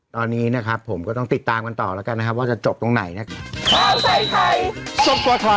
ตอนนี้นะครับผมก็ต้องติดตามกันต่อแล้วกันนะครับว่าจะจบตรงไหนนะครับ